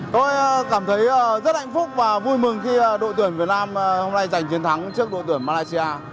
tôi cảm thấy rất hạnh phúc và vui mừng khi đội tuyển việt nam hôm nay giành chiến thắng trước đội tuyển malaysia